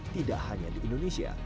tidak hanya di indonesia